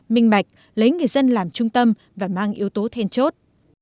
minh mạch lấy người dân làm trung tâm và mang yếu tố then chốt